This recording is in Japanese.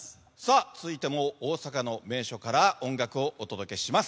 続いても大阪の名所から音楽を届けします。